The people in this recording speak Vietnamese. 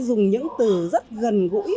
dùng những từ rất gần gũi